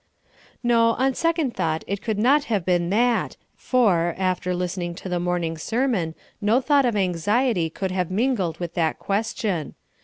No, on second thought it could not have been that; for, after listening to the morning sermon no thought of anxiety could have mingled with that question.